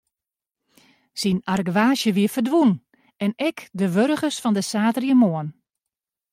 Syn argewaasje wie ferdwûn en ek de wurgens fan de saterdeitemoarn.